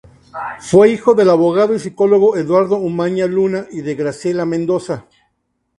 Fue hijo del abogado y sociólogo Eduardo Umaña Luna y de Graciela Mendoza.